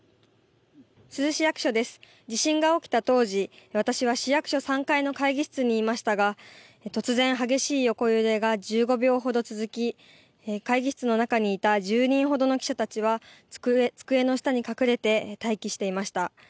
地震が起きた当時私は市役所３階の会議室にいましたが突然、激しい横揺れが１５秒ほど続き会議室の中にいた１０人ほどの記者たちは机の下に隠れて待機していました。